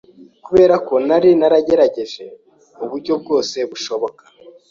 kubera ko nari naragerageje uburyo bwose bushoboka